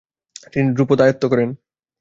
তিনি ধ্রুপদ আয়ত্ত করেন।